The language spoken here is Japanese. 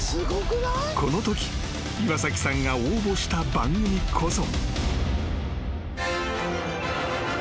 ［このとき岩崎さんが応募した番組こそ］